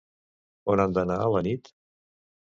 On han d'anar a la nit?